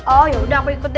oh yaudah aku ikut deh